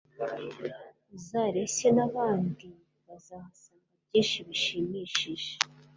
uzareshye n'abandi bazahasanga byinshi bishimishije: